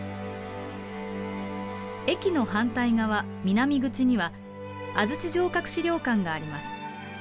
駅の反対側南口には安土城郭史料館があります。